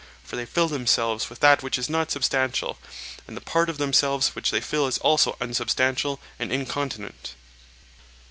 For they fill themselves with that which is not substantial, and the part of themselves which they fill is also unsubstantial and incontinent.